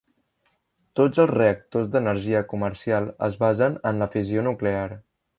Tots els reactors d'energia comercial es basen en la fissió nuclear.